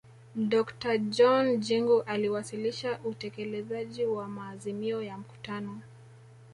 dokta john jingu aliwasilisha utekelezaji wa maazimio ya mkutano